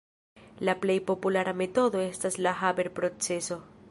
La plej populara metodo estas la Haber-proceso.